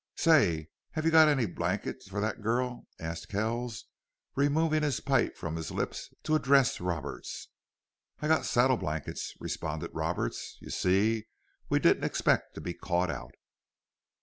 "Say, have you got a blanket for that girl?" asked Kells, removing his pipe from his lips to address Roberts. "I got saddle blankets," responded Roberts. "You see, we didn't expect to be caught out."